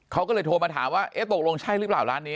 เขาก็เลยโทรมาถามว่าเอ๊ะตกลงใช่หรือเปล่าร้านนี้